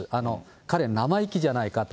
彼、生意気じゃないかと。